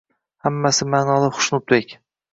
Hammasi ma'noli, Xushnudbek